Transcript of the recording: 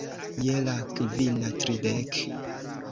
Je la kvina tridek.